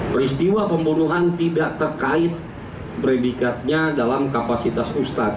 peristiwa pembunuhan tidak terkait predikatnya dalam kapasitas ustad